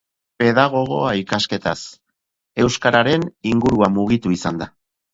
Pedagogoa ikasketaz, euskararen inguruan mugitu izan da.